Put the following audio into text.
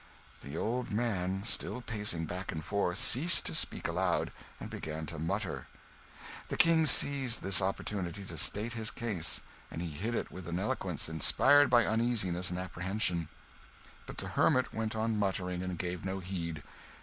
The old man, still pacing back and forth, ceased to speak aloud, and began to mutter. The King seized this opportunity to state his case; and he did it with an eloquence inspired by uneasiness and apprehension. But the hermit went on muttering, and gave no heed.